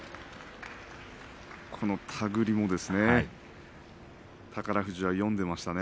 この手繰りも宝富士は読んでいましたね。